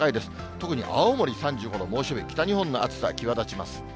特に青森３５度、猛暑日、北日本の暑さ、際立ちます。